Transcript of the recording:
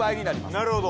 なるほど。